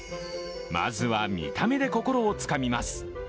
まずは見た目で心をつかみます。